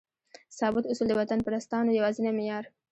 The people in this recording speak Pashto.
ثابت اصول؛ د وطنپرستانو یوازینی معیار